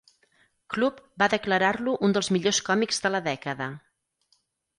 Club va declarar-lo un dels millors còmics de la dècada.